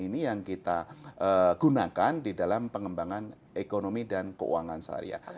ini yang kita gunakan di dalam pengembangan ekonomi dan keuangan syariah